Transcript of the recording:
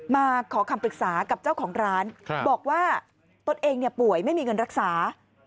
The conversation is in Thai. มาขอคำปรึกษากับเจ้าของร้านบอกว่าตนเองป่วยไม่มีเงินรักษา